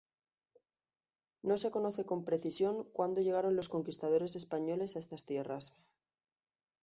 No se conoce con precisión cuándo llegaron los conquistadores españoles a estas tierras.